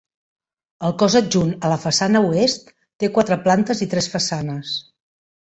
El cos adjunt a la façana oest té quatre plantes i tres façanes.